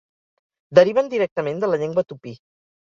Deriven directament de la llengua Tupí.